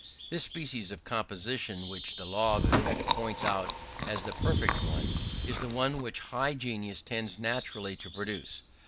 This species of composition which the law of effect points out as the perfect one, is the one which high genius tends naturally to produce.